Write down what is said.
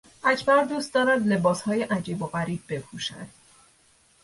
اکبر دوست دارد لباسهای عجیب و غریب بپوشد.